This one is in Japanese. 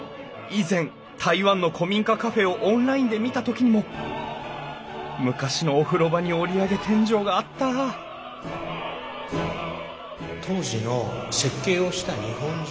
以前台湾の古民家カフェをオンラインで見た時にも昔のお風呂場に折り上げ天井があった当時の設計をした日本人。